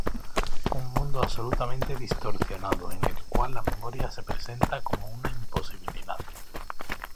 Un mundo absolutamente distorsionado en el cual la memoria se presenta como una imposibilidad.